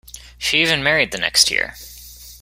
She even married the next year.